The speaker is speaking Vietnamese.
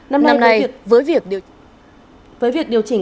năm nay với việc điều chỉnh